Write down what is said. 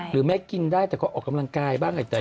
หรือแม้กินได้แต่ก็ออกกำลังกายบ้าง